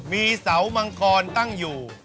มีเสามังคลนนั่งอยู่